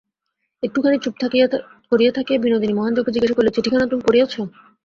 একটুখানি চুপ করিয়া থাকিয়া বিনোদিনী মহেন্দ্রকে জিজ্ঞাসা করিল, চিঠিখানা তুমি পড়িয়াছ?